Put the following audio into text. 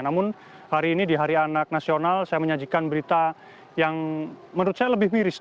namun hari ini di hari anak nasional saya menyajikan berita yang menurut saya lebih miris